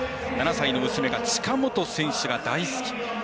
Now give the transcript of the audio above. ７歳の娘が近本選手が大好き。